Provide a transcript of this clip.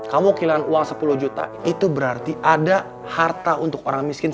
kamu kehilangan uang sepuluh juta itu berarti ada harta untuk orang miskin